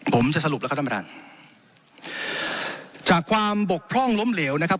ผมจะสรุปแล้วก็ต้องไปด่านจากความบกพร่องล้มเหลวนะครับ